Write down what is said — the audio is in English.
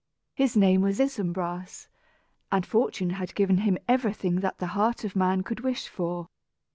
His name was Isumbras, and fortune had given him everything that the heart of man could wish for.